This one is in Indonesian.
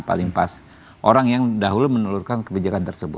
paling pas orang yang dahulu menelurkan kebijakan tersebut